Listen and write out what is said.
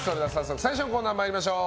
最初のコーナー参りましょう。